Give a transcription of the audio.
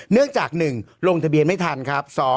เนื่องจาก๑ลงทะเบียนไม่ทันครับ